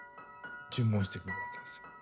注文してくるわけですよ。